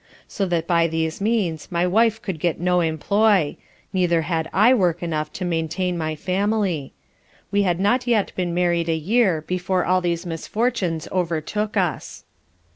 So that by these means my wife could get no employ, neither had I work enough to maintain my family. We had not yet been married a year before all these misfortunes overtook us.